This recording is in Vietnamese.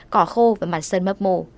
cỏ khô và mặt sân mấp mổ